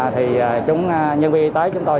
thì nhân viên y tế chúng tôi